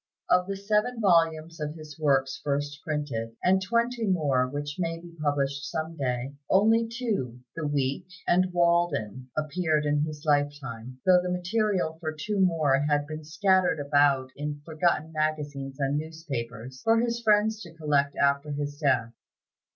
Of the seven volumes of his works first printed, and twenty more which may be published some day, only two, "The Week" and "Walden," appeared in his lifetime, though the material for two more had been scattered about in forgotten magazines and newspapers, for his friends to collect after his death.